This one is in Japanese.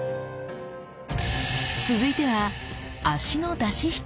続いては足の出し引き。